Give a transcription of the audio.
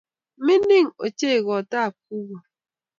Mining ochei goot tab kugo